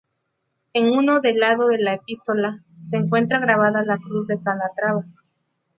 En uno del lado de la epístola, se encuentra grabada la cruz de Calatrava.